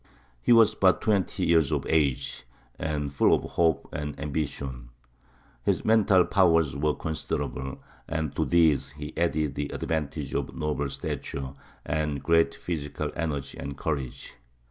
He was but twenty years of age, and full of hope and ambition. His mental powers were considerable, and to these he added the advantages of a noble stature and great physical energy and courage.